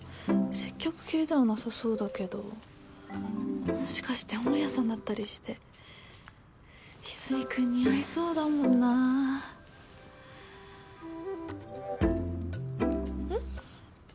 接客系ではなさそうだけどもしかして本屋さんだったりして和泉君似合いそうだもんなうん？